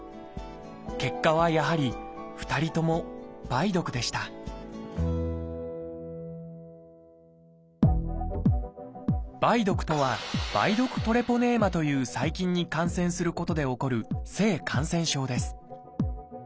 結果はやはり２人とも「梅毒」でした「梅毒」とは「梅毒トレポネーマ」という細菌に感染することで起こる性感染症です。